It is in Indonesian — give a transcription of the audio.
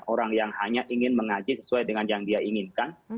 orang yang hanya ingin mengaji sesuai dengan yang dia inginkan